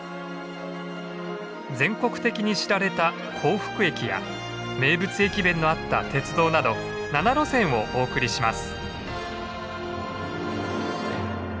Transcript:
全国的に知られた幸福駅や名物駅弁のあった鉄道など７路線をお送りします。